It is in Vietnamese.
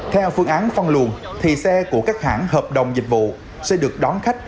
theo phương án phân luồng thì xe của các hãng hợp đồng dịch vụ sẽ được đón khách